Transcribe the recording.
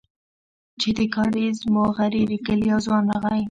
چې د کاريز موغري د کلي يو ځوان راغى.